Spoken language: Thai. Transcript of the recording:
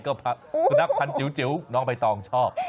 ก็สุนัขพันธ์จิ๋วน้องใบตองชอบ